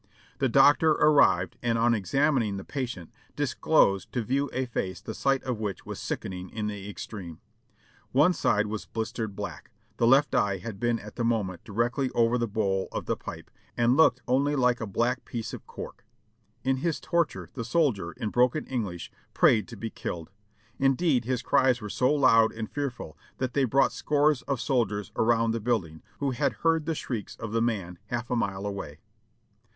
The doctor arrived, and on examining the patient, disclosed to view a face the sight of which was sickening in the extreme. One side was blistered black ; the left eye had been at the moment directly over the bowl of the pipe, and looked only like a black piece of cork. In his torture the soldier, in broken English, prayed to be killed ; indeed his cries were so loud and fearful that they brought scores of soldiers around the building, who had heard the shrieks of the man half a mile away.